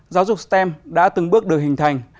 giáo dục stem đã từng bước được hình thành